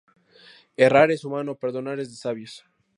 Errar es humano, perdonar es de sabios